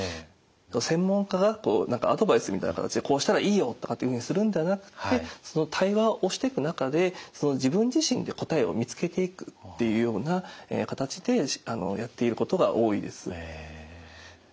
専門家が何かアドバイスみたいな形で「こうしたらいいよ」とかってふうにするんではなくってその対話をしていく中で自分自身で答えを見つけていくっていうような形でやっていることが多いです。